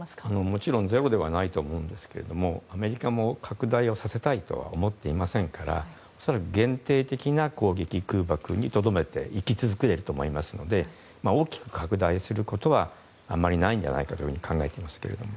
もちろんゼロではないと思うんですけどもアメリカも拡大をさせたいとは思っていませんから恐らく限定的な攻撃、空爆にとどめ続けると思いますので大きく拡大することはあまりないのではないかと考えていますけれども。